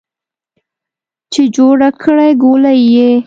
چې جوړه کړې ګولۍ یې